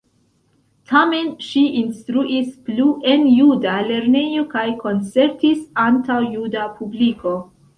Tamen ŝi instruis plu en juda lernejo kaj koncertis antaŭ juda publiko.